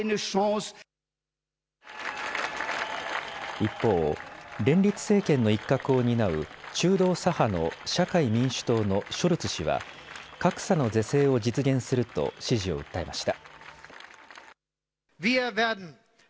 一方、連立政権の一角を担う中道左派の社会民主党のショルツ氏は格差の是正を実現すると支持を訴えました。